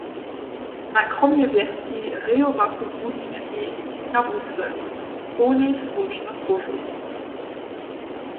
Na kromje wjeski rejowachu błudnički na łuce połnej słónčnych róžow.